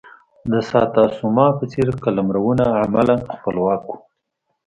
د ساتسوما په څېر قلمرونه عملا خپلواک وو.